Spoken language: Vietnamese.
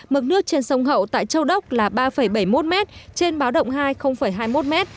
mực nước trên sông hậu tại châu đốc là ba bảy mươi một m trên báo động hai hai mươi một m